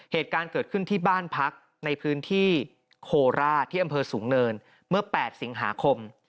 เหตุการณ์เกิดขึ้นที่บ้านพักในพื้นที่โคราชที่อำเภอสูงเนินเมื่อ๘สิงหาคม